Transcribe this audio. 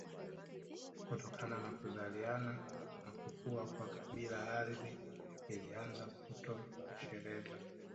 Kutokana na kuzaliana na kukua kwa kabila ardhi ilianza kutotosheleza